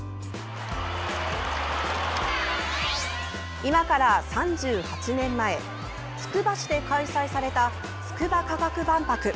今から３８年前つくば市で開催されたつくば科学万博。